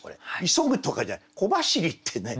急ぐとかじゃない「小走り」ってね。